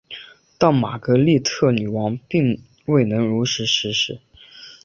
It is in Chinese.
但玛格丽特女王并未能如实行事。